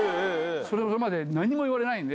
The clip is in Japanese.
それまで何も言われないんで。